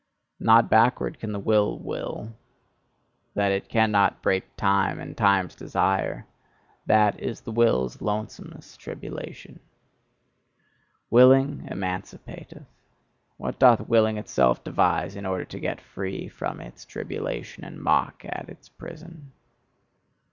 Not backward can the Will will; that it cannot break time and time's desire that is the Will's lonesomest tribulation. Willing emancipateth: what doth Willing itself devise in order to get free from its tribulation and mock at its prison?